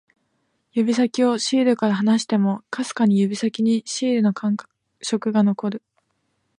指先をシールから離しても、かすかに指先にシールの感触が残る